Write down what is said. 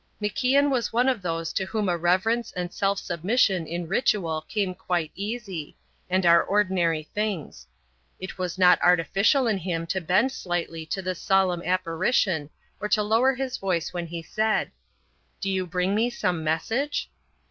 MacIan was one of those to whom a reverence and self submission in ritual come quite easy, and are ordinary things. It was not artificial in him to bend slightly to this solemn apparition or to lower his voice when he said: "Do you bring me some message?"